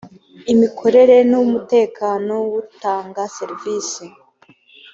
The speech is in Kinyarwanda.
imikorere n umutekano w utanga serivisi